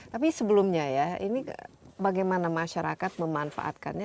tapi sebelumnya ya ini bagaimana masyarakat memanfaatkannya